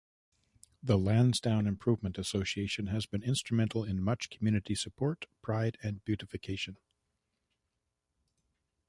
The Lansdowne Improvement Association has been instrumental in much community support, pride and beautification.